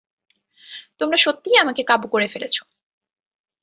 তোমরা সত্যিই আমাকে কাবু করে ফেলেছ।